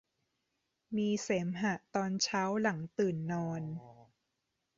มีเสมหะตอนเช้าหลังตื่นนอน